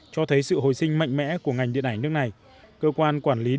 cho thấy sự hồi sinh mạnh mẽ của ngành điện ảnh nước này cơ quan quản lý